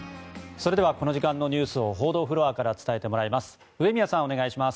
それではこの時間のニュースを報道フロアから伝えてもらいます上宮さん、お願いします。